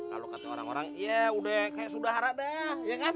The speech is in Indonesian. kalau kata orang orang ya udah kayak sudah harap dah iya kan